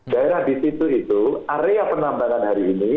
daerah di situ itu area penambangan hari ini